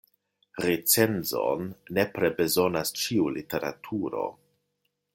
Recenzon nepre bezonas ĉiu literaturo.